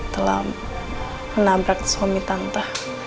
telah menabrak suami tante